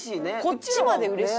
こっちまでうれしい。